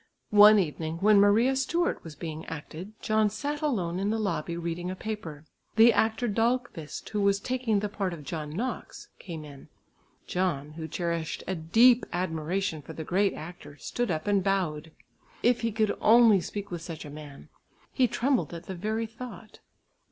One evening, when Maria Stuart was being acted, John sat alone in the lobby reading a paper. The actor Dahlqvist, who was taking the part of John Knox, came in. John, who cherished a deep admiration for the great actor, stood up and bowed. If he could only speak with such a man. He trembled at the very thought.